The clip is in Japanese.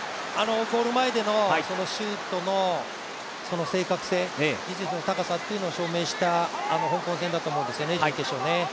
ゴール前でのシュートの正確性、技術の高さを証明した証明した香港戦だと思うんですね、準決勝ね。